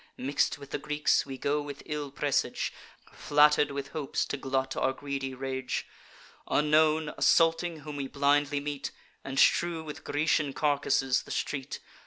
Mix'd with the Greeks, we go with ill presage, Flatter'd with hopes to glut our greedy rage; Unknown, assaulting whom we blindly meet, And strew with Grecian carcasses the street.